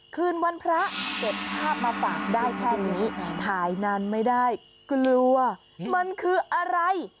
คืนวันพระเก็บภาพมาฝากได้แค่นี้ถ่ายนานไม่ได้กลัวมันคืออะไร